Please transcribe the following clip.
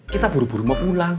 kita buru buru mau pulang